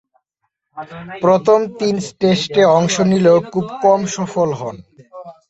প্রথম তিন টেস্টে অংশ নিলেও খুব কম সফল হন।